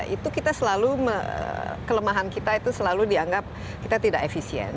itu kita selalu kelemahan kita itu selalu dianggap kita tidak efisien